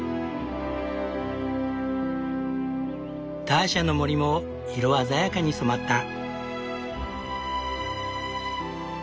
ターシャの森も色鮮やかに染まった。